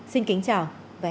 xin kính chào và hẹn gặp lại